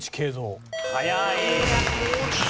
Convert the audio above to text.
早い。